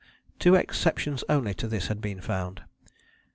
Two exceptions only to this had been found.